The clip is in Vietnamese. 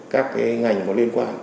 các cái ngành có liên quan